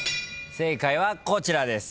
正解はこちらです。